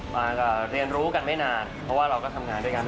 มาก็เรียนรู้กันไม่นานเพราะว่าเราก็ทำงานด้วยกัน